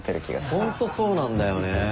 ホントそうなんだよね。